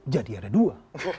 jadi ada dua